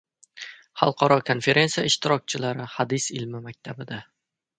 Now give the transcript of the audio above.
Xalqaro konferentsiya ishtirokchilari Hadis ilmi maktabida